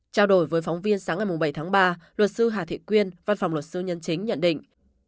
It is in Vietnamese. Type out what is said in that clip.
trao đổi với phóng viên sáng ngày bảy tháng ba luật sư hà thị quyên văn phòng luật sư nhân chính nhận định